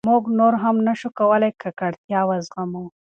موږ نور نه شو کولای ککړتیا وزغمو.